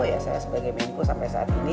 ya saya sebagai menko sampai saat ini